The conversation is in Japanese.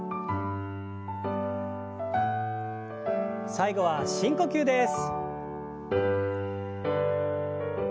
最後は深呼吸です。